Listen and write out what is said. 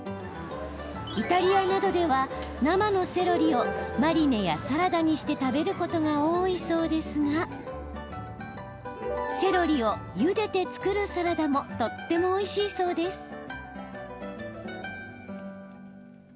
イタリアなどでは、生のセロリをマリネやサラダにして食べることが多いそうですがセロリをゆでて作るサラダもとってもおいしいそうです。